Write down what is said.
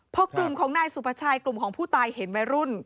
พอกลุ่มของนายสุภาชัยกลุ่มของผู้ตายเห็นวัยรุ่น